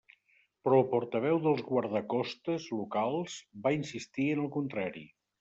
Però el portaveu dels guardacostes locals, va insistir en el contrari.